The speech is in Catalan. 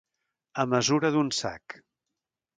A mesura d'un sac.